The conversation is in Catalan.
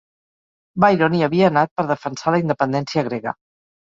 Byron hi havia anat per defensar la independència grega.